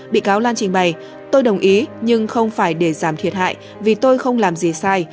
bị cáo lan trình bày tôi đồng ý nhưng không phải để giảm thiệt hại vì tôi không làm gì sai